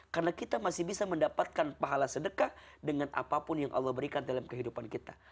karena kita masih bisa mendapatkan pahala sedekah dengan apapun yang allah berikan dalam kehidupan kita